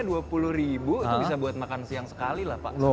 itu bisa buat makan siang sekali lah pak